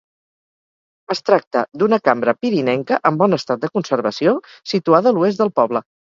Es tracta d'una cambra pirinenca en bon estat de conservació, situada a l'oest del poble.